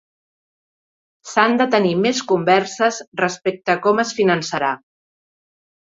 S'han de tenir més converses respecte a com es finançarà.